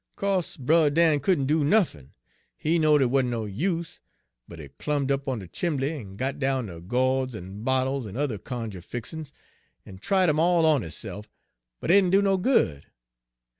Page 190 "Co'se Brer Dan couldn' do nuffin. He knowed it wa'n't no use, but he clumb up on de chimbly en got down de go'ds en bottles en yuther cunjuh fixin's, en tried 'em all on hisse'f, but dey didn' do no good.